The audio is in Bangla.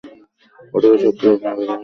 ওটাতে সক্রিয় আগ্নেয়গিরি আছে।